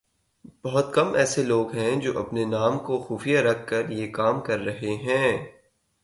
بہت کم ایسے لوگ ہیں جو اپنے نام کو خفیہ رکھ کر یہ کام کررہے ہیں